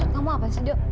maksud kamu apa sih dok